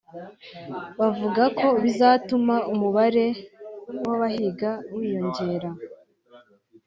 bavuga ko bizatuma umubare w’abahiga wiyongera